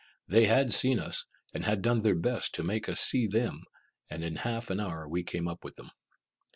They had seen us, and had done their best to make us see them, and in half an hour we came up with them.